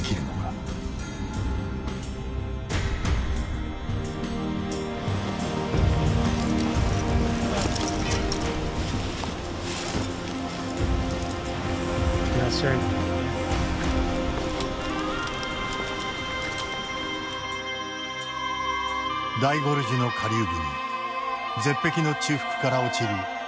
大ゴルジュの下流部に絶壁の中腹から落ちる巨大な滝がある。